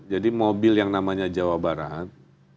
jadi mobil yang namanya jawa barat